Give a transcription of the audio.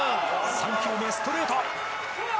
３球目、ストレート！